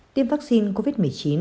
tiêm vaccine covid một mươi chín